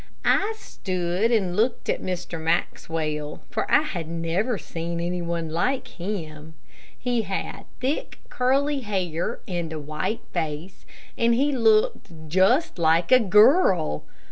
I stood and looked at Mr. Maxwell, for I had never seen any one like him. He had thick curly hair and a white face, and he looked just like a girl.